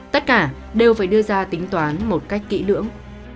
tất cả đều phải đưa ra tính toán một cách kỹ lưỡng